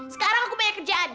sekarang aku punya kerjaan